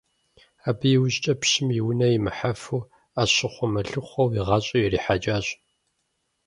Абы иужькӏэ, пщым и унэ имыхьэфу, Ӏэщыхъуэ-мэлыхъуэу и гъащӀэр ирихьэкӏащ.